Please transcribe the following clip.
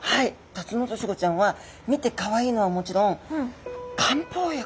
タツノオトシゴちゃんは見てかわいいのはもちろん漢方薬？